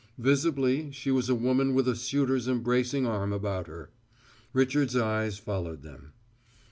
Visibly, she was a woman with a suitor's embracing arm about her. Richard's eyes followed them.